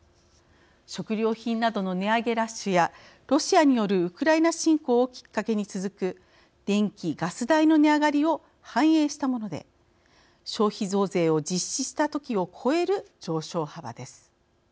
食料品などの値上げラッシュやロシアによるウクライナ侵攻をきっかけに続く電気・ガス代の値上がりを反映したもので消費増税を実施した時を超える上昇幅です。